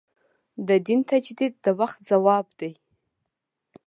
د دین تجدید د وخت ځواب دی.